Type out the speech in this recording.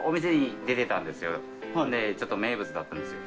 店主）でちょっと名物だったんですよ。